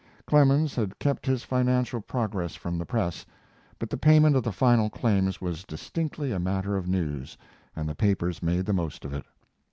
Clemens had kept his financial progress from the press, but the payment of the final claims was distinctly a matter of news and the papers made the most of it.